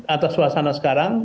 atas suasana sekarang